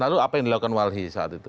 lalu apa yang dilakukan walhi saat itu